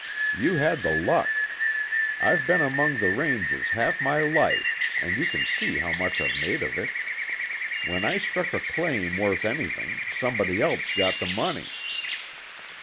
"You had the luck. I've been among the ranges half my life, and you can see how much I've made of it. When I struck a claim worth anything, somebody else got the money."